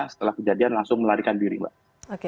setelah kejadian langsung melarikan diri mbak